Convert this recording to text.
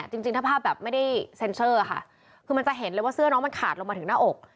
จริงถ้าภาพแบบไม่ได้เซ็นเซอร์ค่ะคือมันจะเห็นเลยว่าเสื้อน้องมันขาดลงมาถึงหน้าอก